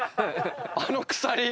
あの鎖。